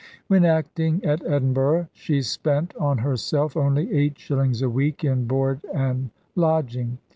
When acting at Edinburgh she spent on herself only eight shillings a week in board and lodging.